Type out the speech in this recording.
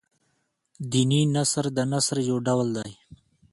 دیني نثر د نثر يو ډول دﺉ.